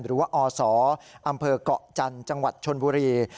หรือว่าอศอำเภอกเกาะจันทร์จังหวัดชนบุรี